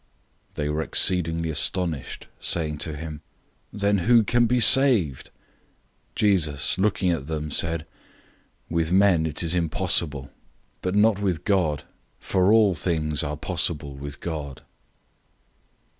010:026 They were exceedingly astonished, saying to him, "Then who can be saved?" 010:027 Jesus, looking at them, said, "With men it is impossible, but not with God, for all things are possible with God."